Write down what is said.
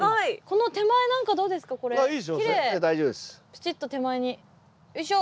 プチッと手前によいしょ。